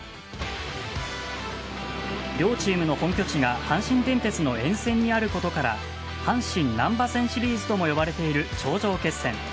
両チームの本拠地が阪神電鉄の沿線にあることから阪神なんば線シリーズとも呼ばれている頂上決戦。